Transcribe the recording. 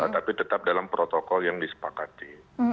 tapi tetap dalam protokol yang disepakati